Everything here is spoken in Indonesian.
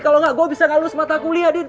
kalau enggak gue bisa ngalus mata kuliah din